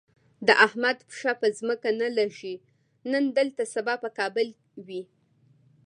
د احمد پښه په ځمکه نه لږي، نن دلته سبا په کابل وي.